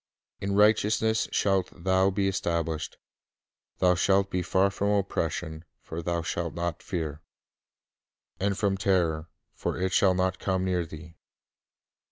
'• In righteousness shalt thou be established: Thou shalt be far from oppression ; for thou shalt not fear : And from terror; for it shall not come near thee.""